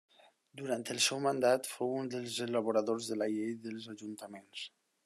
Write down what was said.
Durant el seu mandat fou un dels elaboradors de la Llei dels Ajuntaments.